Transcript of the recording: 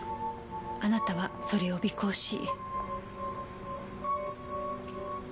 あなたはそれを尾行し。